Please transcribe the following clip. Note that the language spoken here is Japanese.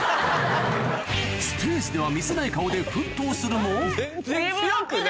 ステージでは見せない顔で奮闘する